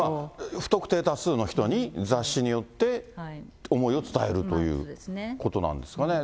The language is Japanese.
不特定多数の人に、雑誌によって、思いを伝えるということなんですかね。